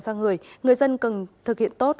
sang người người dân cần thực hiện tốt